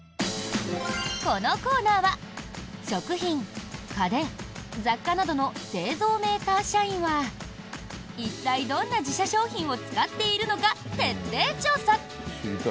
このコーナーは食品、家電、雑貨などの製造メーカー社員は一体どんな自社商品を使っているのか徹底調査。